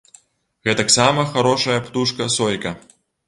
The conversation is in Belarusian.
Гэтаксама харошая птушка сойка.